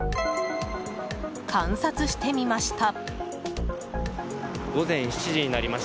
観察してみました。